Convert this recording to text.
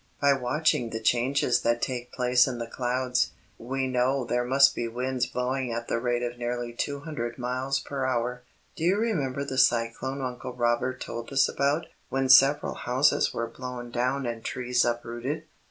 By watching the changes that take place in the clouds, we know there must be winds blowing at the rate of nearly two hundred miles per hour. Do you remember the cyclone Uncle Robert told us about, when several houses were blown down and trees uprooted?"